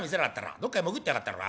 どっかへ潜ってやがったのか？」。